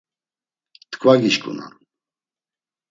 T̆ǩva gişǩunan.